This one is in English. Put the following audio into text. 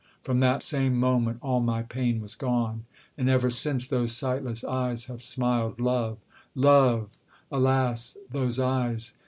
From that same moment all my pain was gone; And ever since those sightless eyes have smiled Love love! Alas, those eyes!